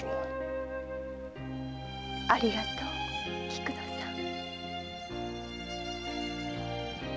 ありがとう菊乃さん。